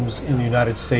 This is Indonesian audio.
memang sangat juga